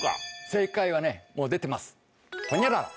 正解はねもう出てます。